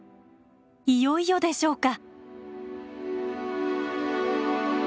いよいよでしょうか。